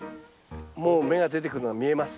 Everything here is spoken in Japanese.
もう芽が出てくるのが見えます。